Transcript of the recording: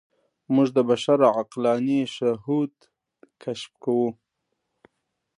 موږ د بشر عقلاني شهود کشف کوو.